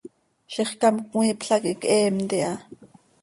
Zixcám cmiipla quih cheemt iha.